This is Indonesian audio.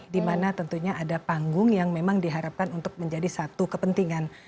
di mana tentunya ada panggung yang memang diharapkan untuk menjadi satu kepentingan